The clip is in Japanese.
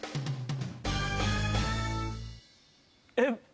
えっ！